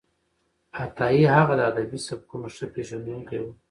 عطايي هغه د ادبي سبکونو ښه پېژندونکی و.